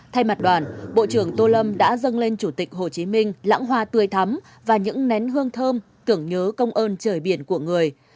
thay mặt đoàn bộ trưởng tô lâm đã dâng lên chủ tịch hồ chí minh lãng hoa tươi thắm và những nén hương thơm tưởng nhớ công ơn trời biển của người